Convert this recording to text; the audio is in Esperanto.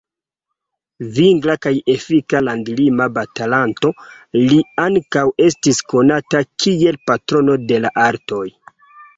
Vigla kaj efika landlima batalanto, li ankaŭ estis konata kiel patrono de la artoj.